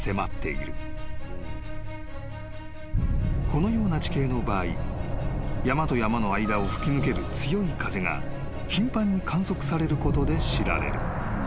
［このような地形の場合山と山の間を吹き抜ける強い風が頻繁に観測されることで知られる］